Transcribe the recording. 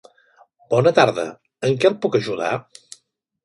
Bona tarda, en què et puc ajudar?